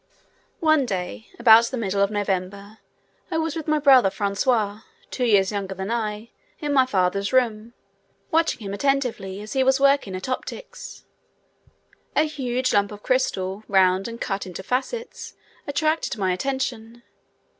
One day, about the middle of November, I was with my brother Francois, two years younger than I, in my father's room, watching him attentively as he was working at optics. A large lump of crystal, round and cut into facets, attracted my attention.